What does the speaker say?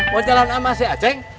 mau jalan sama si a ceng